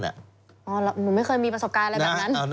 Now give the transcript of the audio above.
หนูไม่เคยมีประสบการณ์อะไรแบบนั้น